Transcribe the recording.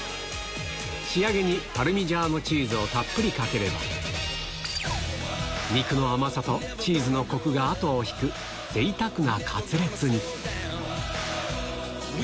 仕上げにパルミジャーノチーズをたっぷりかければ、肉の甘さとチーズのコクが後を引く、ぜいたくなカツレツに。